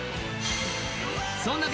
そんなＢ